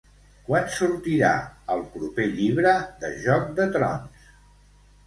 Quan sortirà el proper llibre de "Joc de trons"?